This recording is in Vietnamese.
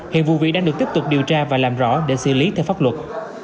hiện vụ việc đang được tiếp tục điều tra và làm rõ để xử lý theo pháp luật